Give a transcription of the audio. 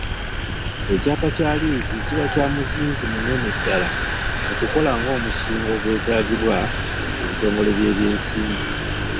Ekyapa kya liizi kiba kya muzinzi munene ddala mu kukola ng'omusingo ogwetaagibwa ebitongole by'ebyensimbi.